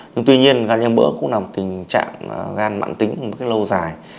nhưng tuy nhiên gan như mỡ cũng là một tình trạng gan mạng tính lâu dài